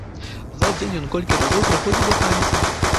За дзень ён колькі разоў прыходзіў да памяці.